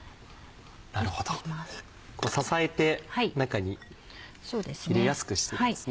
なるほど支えて中に入れやすくしてるんですね。